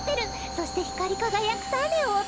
そしてひかりかがやくたねをおとす。